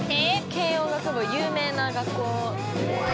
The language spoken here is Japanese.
軽音楽部有名な学校。